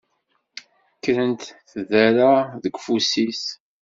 Kkrent tderra deg ufus-is.